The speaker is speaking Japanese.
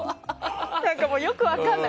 よく分かんない。